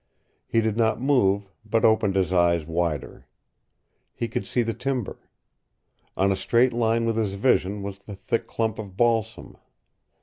He did not move, but opened his eyes wider. He could see the timber. On a straight line with his vision was the thick clump of balsam.